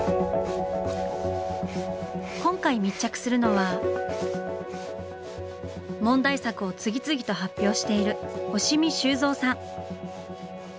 今回密着するのは問題作を次々と発表している押見修造さん！